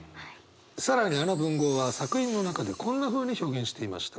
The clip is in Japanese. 更にあの文豪は作品の中でこんなふうに表現していました。